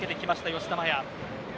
吉田麻也。